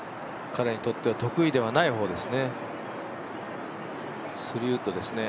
彼にとっては得意ではないホールですね。